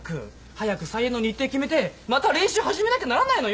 早く再演の日程決めてまた練習始めなきゃならないのよ！